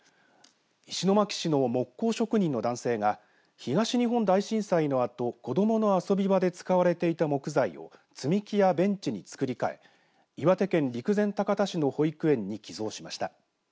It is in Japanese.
石巻市の木工職人の男性が東日本大震災のあと子どもの遊び場で使われていた木材を積み木やベンチに作り替え岩手県陸前高田市の保育園に寄贈しました。